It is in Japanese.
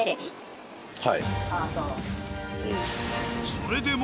それでも。